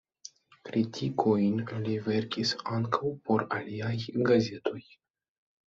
Kritikojn li verkis ankaŭ por aliaj gazetoj.